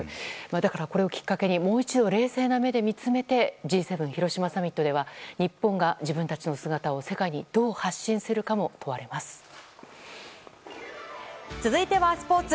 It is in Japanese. だからこれをきっかけにもう一度冷静な目で見つめてＧ７広島サミットでは日本が自分たちの姿を世界にどう発信するかも続いてはスポーツ。